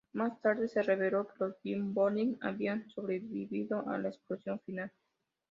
Más tarde se reveló que los Gibborim habían sobrevivido a la explosión final.